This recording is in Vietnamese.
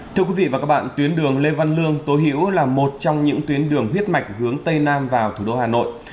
thưa quý vị và các bạn tuyến đường lê văn lương tố hữu là một trong những tuyến đường huyết mạch hướng tây nam vào thủ đô hà nội